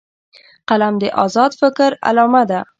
قلم د آزاد فکر علامه ده